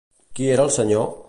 Qui era el senyor?